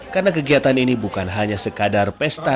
karena kegiatan ini bukan hanya sekadar pestaraan